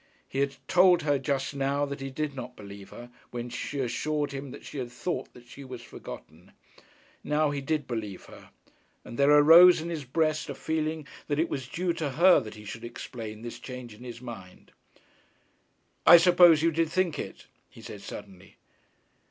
He had told her, just now, that he did not believe her, when she assured him that she had thought that she was forgotten. Now he did believe her. And there arose in his breast a feeling that it was due to her that he should explain this change in his mind. 'I suppose you did think it,' he said suddenly.